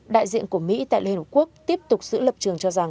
đại diện của mỹ tại liên hợp quốc tiếp tục giữ lập trường cho rằng